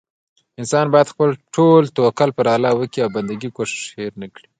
انسان بايد خپل ټول توکل پر الله وکي او بندګي کوښښ هير نه کړي